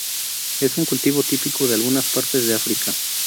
Es un cultivo típico de algunas partes de África.